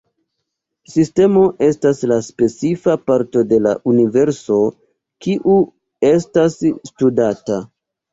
Sistemo estas la specifa parto de la universo kiu estas studata.